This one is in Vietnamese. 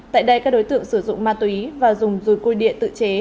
tại đây các đối tượng sử dụng ma túy và dùng dùi côi địa tự chế